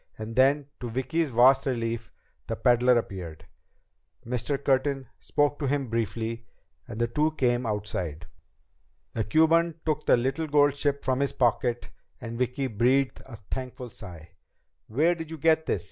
And then, to Vicki's vast relief, the peddler appeared. Mr. Curtin spoke to him briefly, and the two came outside. The Cuban took the little gold ship from his pocket and Vicki breathed a thankful sigh. "Where did you get this?"